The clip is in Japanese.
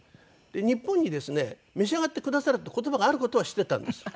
日本にですね「召し上がってくださる？」って言葉がある事は知ってたんですよ。